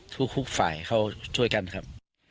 ทุกฝ่ายเข้าช่วยกันครับ